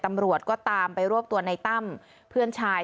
ตำรวจก็ตามไปรวบตัวในตั้มเพื่อนชาย